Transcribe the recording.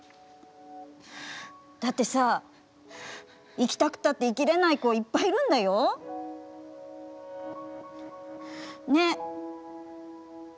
だってさ、生きたくたって生きれない子いっぱいいるんだよ。ね。